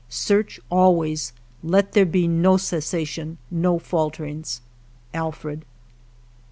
Search always ; let there be no cessation, no falterings. Alfred.